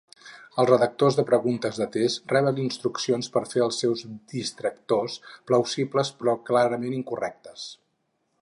Els redactors de preguntes de test reben instruccions per fer els seus distractors plausibles però clarament incorrectes.